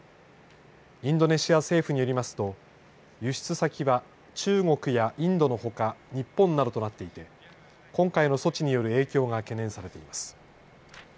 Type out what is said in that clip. インドネシア政府によりますと輸出先は、中国やインドのほか日本などとなっていて今回の措置による影響が懸念されています。